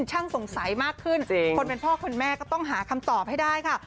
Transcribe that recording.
ช่างสงสัยมากขึ้นคนเป็นพ่อคุณแม่ก็ต้องหาคำตอบให้ได้ค่ะ